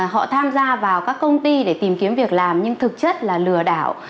họ tham gia vào các công ty để tìm kiếm việc làm nhưng thực chất là lừa đảo